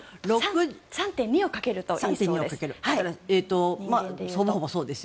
３．２を掛けるといいそうです。